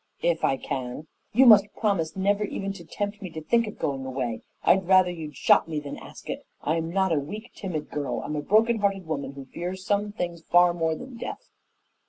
"If I can." "You must promise never even to tempt me to think of going away. I'd rather you'd shot me than ask it. I'm not a weak, timid girl. I'm a broken hearted woman who fears some things far more than death."